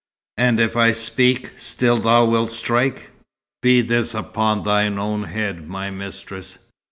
"And if I speak, still thou wilt strike! Be this upon thine own head, my mistress.